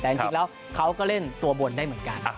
แต่จริงแล้วเขาก็เล่นตัวบนได้เหมือนกัน